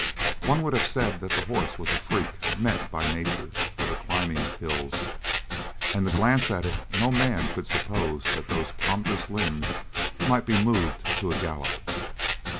One would have said that the horse was a freak meant by nature for the climbing of hills. And to glance at it no man could suppose that those ponderous limbs might be moved to a gallop.